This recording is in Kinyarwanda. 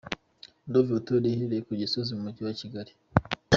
Dove Hotel iherereye ku Gisozi mu Mujyi wa Kigali.